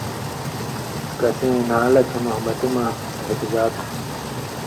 کسی وَیں نھالہ کھیں موحبتی مہ ڙِھکوۡژا تُھو،